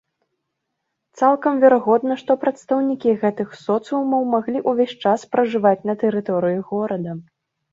Цалкам верагодна, што прадстаўнікі гэтых соцыумаў маглі ўвесь час пражываць на тэрыторыі горада.